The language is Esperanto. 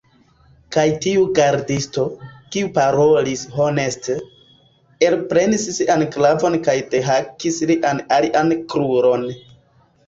Kaj tiu gardisto, kiu parolis honeste, elprenis sian glavon kaj dehakis lian alian kruron.